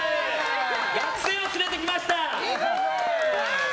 学生を連れてきました！